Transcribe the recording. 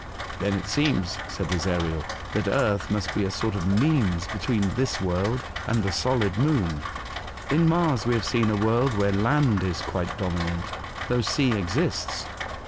" Then it seems," said Ezariel, *' that Earth must be a sort of mean between this world and the solid Moon. In Mars we have seen a world where land is quite dominant, though sea exists.